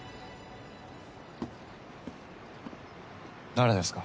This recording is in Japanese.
誰ですか？